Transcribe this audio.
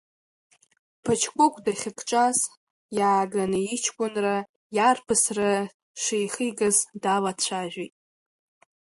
Паҷкәыкә дахьыкҿаз иааганы иҷкәынра, иарԥысра шихигаз далацәажәеит.